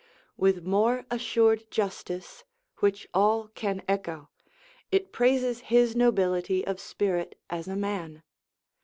With more assured justice, which all can echo, it praises his nobility of spirit as a man.